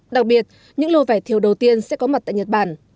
đặc biệt những lô vải thiều đầu tiên sẽ có mặt tại nhật bản